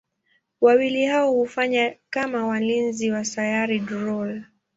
Wawili hao hufanya kama walinzi wa Sayari Drool.